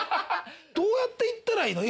どうやって行ったらいいの？